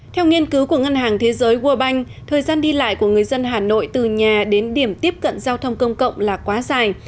theo nghiên cứu của ngân hàng thế giới world bank thời gian đi lại của người dân hà nội từ nhà đến điểm tiếp cận giao thông công cộng là quá dài